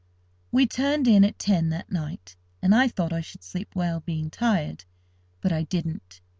We turned in at ten that night, and I thought I should sleep well, being tired; but I didn't.